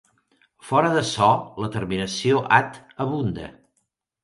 Fora d’açò, la terminació -at- abunda.